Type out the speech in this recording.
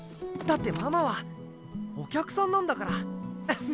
だってママはお客さんなんだから。